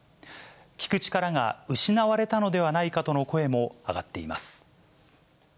聞く力が失われたのではないかとの声も上がっています。